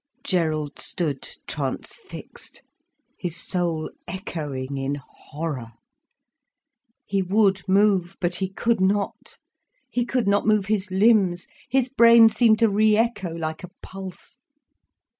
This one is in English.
Gerald stood transfixed, his soul echoing in horror. He would move, but he could not. He could not move his limbs. His brain seemed to re echo, like a pulse.